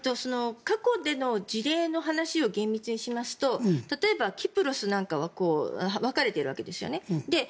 過去での事例の話を厳密にしますと例えばキプロスなんかは分かれているわけですよね。